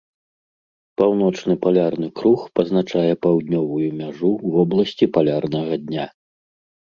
Паўночны палярны круг пазначае паўднёвую мяжу вобласці палярнага дня.